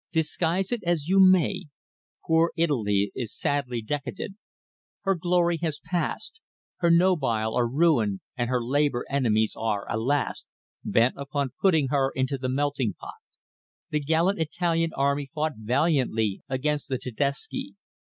Disguise it as you may, poor Italy is sadly decadent. Her glory has passed, her nobile are ruined and her labour enemies are, alas! bent upon putting her into the melting pot. The gallant Italian army fought valiantly against the Tedesci.